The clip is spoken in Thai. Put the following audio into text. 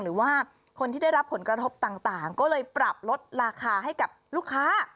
หรือว่าคนที่ได้รับผลกระทบต่างก็เลยปรับลดราคาให้กับลูกค้า